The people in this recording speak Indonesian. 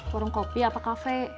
warung kopi apa kafe